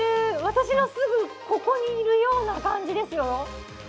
私のすぐここにいるような感じですよ。